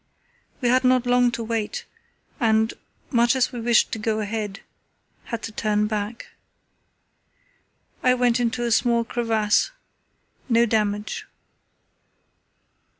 "We had not long to wait, and, much as we wished to go ahead, had to turn back. I went into a small crevasse; no damage.